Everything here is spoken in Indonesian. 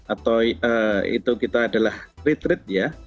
atau itu kita adalah retreat ya